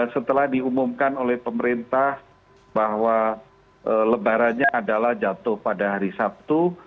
setelah diumumkan oleh pemerintah bahwa lebarannya adalah jatuh pada hari sabtu